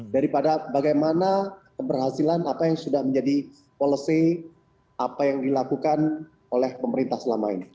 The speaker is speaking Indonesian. daripada bagaimana keberhasilan apa yang sudah menjadi policy apa yang dilakukan oleh pemerintah selama ini